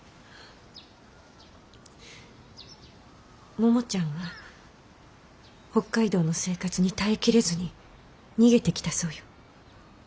ももちゃんは北海道の生活に耐えきれずに逃げてきたそうよ。